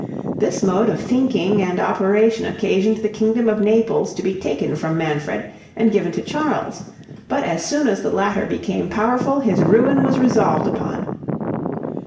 This mode of thinking and operation occasioned the kingdom of Naples to be taken from Manfred and given to Charles, but as soon as the latter became powerful his ruin was resolved upon.